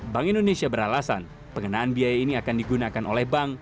bank indonesia beralasan pengenaan biaya ini akan digunakan oleh bank